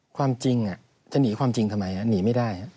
ความจริงจะหนีความจริงทำไมหนีไม่ได้